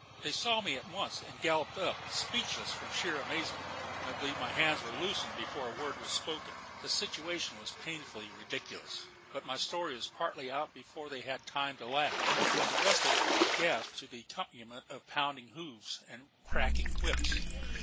They saw me at once, and galloped up, speechless from sheer amazement. I believe my hands were loosened before a word was spoken. The situation was painfully ridiculous; but my story was partly out before they had time to laugh, and the rest of it was gasped to the accompaniment of pounding hoofs and cracking whips.